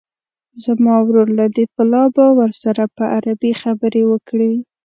زما ورور لطیف الله به ورسره په عربي خبرې وکړي.